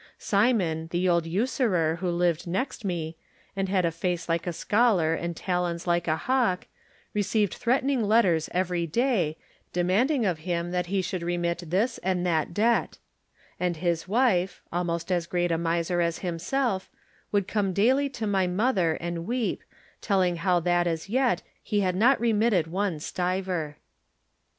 Simon, the old usurer who lived next me, and had a face like a scholar and talons like a hawk, received threatening letters every day, de manding of him that he should remit this and that debt; and his wife, almost as great a miser as himself, would come daily to my mother and weep, telling how that as yet he had not remitted one stiver.